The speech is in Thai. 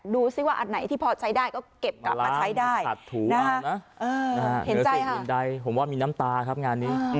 ดูซิว่าอันไหนที่พอใช้ได้ก็เก็บกลับมาใช้ได้